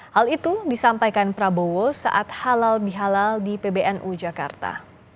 hal itu disampaikan prabowo saat halal bihalal di pbnu jakarta